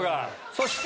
そして。